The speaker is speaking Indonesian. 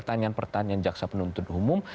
pertanyaan pertanyaan jaksa penuntut umum